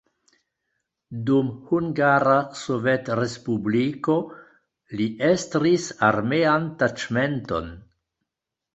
Dum Hungara Sovetrespubliko li estris armean taĉmenton.